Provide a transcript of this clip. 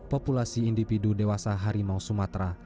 populasi individu dewasa harimau sumatera